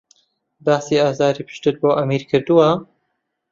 باسی ئازاری پشتتت بۆ ئەمیر کردووە؟